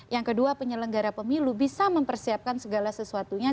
yang kedua penyelenggara pemilu bisa mempersiapkan segala sesuatunya